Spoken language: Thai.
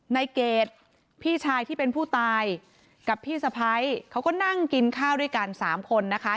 เกรดพี่ชายที่เป็นผู้ตายกับพี่สะพ้ายเขาก็นั่งกินข้าวด้วยกันสามคนนะคะ